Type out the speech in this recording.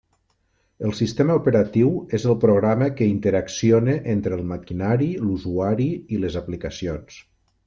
El sistema operatiu és el programa que interacciona entre el maquinari, l'usuari i les aplicacions.